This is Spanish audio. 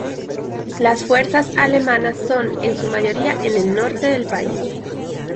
Las fuerzas alemanas son en su mayoría en el norte del país.